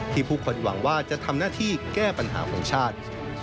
ผู้คนหวังว่าจะทำหน้าที่แก้ปัญหาของชาติ